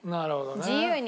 自由に。